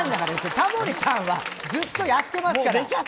タモリさんはずっとやってますから。